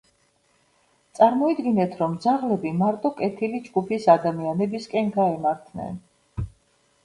წარმოიდგინეთ, რომ ძაღლები მარტო „კეთილი“ ჯგუფის ადამიანებისკენ გაემართნენ.